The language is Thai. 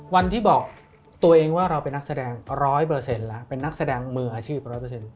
วันที่บอกตัวเองว่าเราเป็นนักแสดงร้อยเปอร์เซ็นต์แล้วเป็นนักแสดงเหมือชีวิตร้อยเปอร์เซ็นต์